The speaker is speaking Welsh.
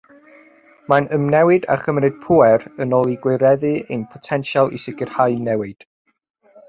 Mae'n ymwneud â chymryd pŵer yn ôl a gwireddu ein potensial i sicrhau newid.